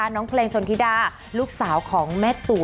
น้องเพลงชนธิดาลูกสาวของแม่ตั๋ว